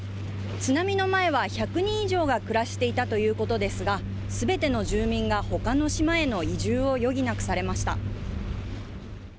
津波の前は１００人以上が暮らしていたということですが、すべての住民がほかの島への移住を余儀なくされました。